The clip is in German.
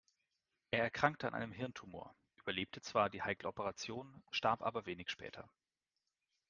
Er erkrankte an einem Hirntumor, überlebte zwar die heikle Operation, starb aber wenig später.